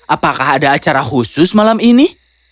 apakah ada acara khusus malam ini